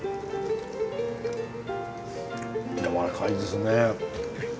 やわらかいですね。